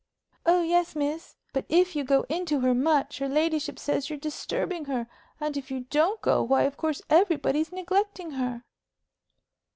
"Oh yes, miss. But if you go in to her much her ladyship says you're disturbing her; and if you don't go, why, of course, everybody's neglecting her."